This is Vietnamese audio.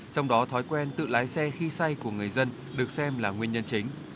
trong đó thói quen tự lái xe khi xay của người dân được xem là nguyên nhân chính